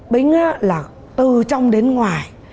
bính á là từ trong đến ngoài